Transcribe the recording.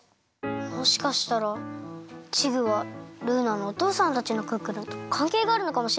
もしかしたらチグはルーナのおとうさんたちのクックルンとかんけいがあるのかもしれませんね。